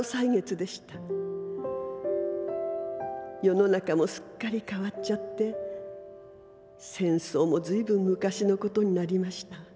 世の中もすっかり変わっちゃって戦争もずいぶん昔のことになりました。